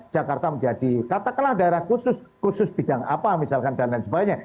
jakarta menjadi katakanlah daerah khusus khusus bidang apa misalkan dan lain sebagainya